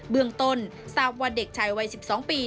เมืองต้นทราบว่าเด็กชายวัย๑๒ปี